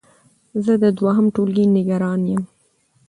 زه د دوهم ټولګی نګران يم